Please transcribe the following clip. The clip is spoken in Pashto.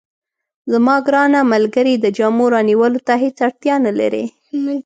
زما ګرانه ملګرې، د جامو رانیولو ته هیڅ اړتیا نه لرې.